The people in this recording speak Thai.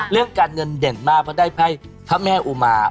เรื่องการเงินเด่นมากเพราะได้ไพ่พระแม่อุมา